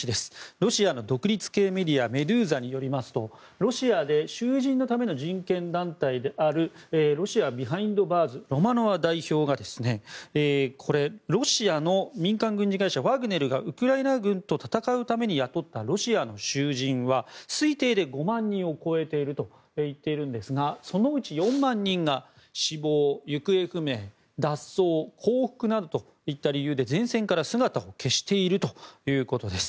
ロシアの独立系メディアメドゥーザによりますとロシアで囚人のための人権団体であるロシア・ビハインド・バーズロマノワ代表がロシアの民間軍事会社ワグネルがウクライナ軍と戦うために雇ったロシアの囚人は推定で５万人を超えていると言っているんですがそのうち４万人が死亡、行方不明脱走、降伏などといった理由で前線から姿を消しているということです。